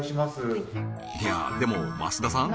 いやでも増田さん